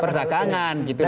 perdagangan gitu loh